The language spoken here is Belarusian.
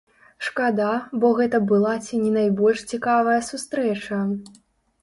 Шкада, бо гэта была ці не найбольш цікавая сустрэча.